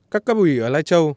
các cấp ủy ở lai châu